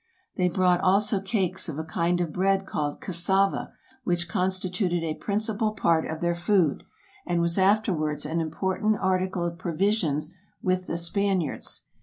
They brought also cakes of a kind of bread called cassava, which constituted a principal part of their food, and was afterwards an important article of provisions with the Spaniards.